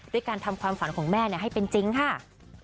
การทำความฝันของแม่ให้เป็นจริงค่ะ